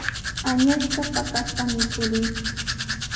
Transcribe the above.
Añasqa paqaspami purin.